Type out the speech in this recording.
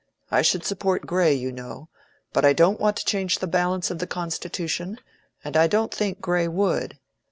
I should support Grey, you know. But I don't want to change the balance of the constitution, and I don't think Grey would."